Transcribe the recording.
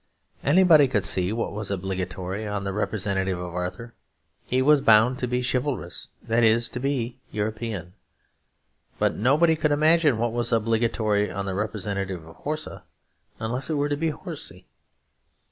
Anybody could see what was obligatory on the representative of Arthur; he was bound to be chivalrous, that is, to be European. But nobody could imagine what was obligatory on the representative of Horsa, unless it were to be horsy.